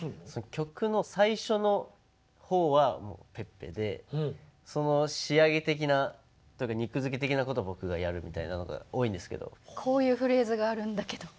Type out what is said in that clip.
曲の最初の方はｐｅｐｐｅでその仕上げ的な肉づけ的なことは僕がやるみたいなのが多いんですけどこういうフレーズがあるんだけど。